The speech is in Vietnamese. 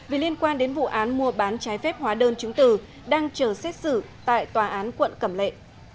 vì liên quan đến vụ án mua bán trái phép hóa đơn chứng từ đang chờ xét xử tại tòa án quận cẩm lệ